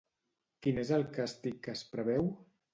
Quin és el càstig que es preveu?